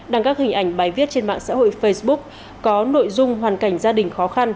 đăng các hình ảnh bài viết trên mạng xã hội facebook có nội dung hoàn cảnh gia đình khó khăn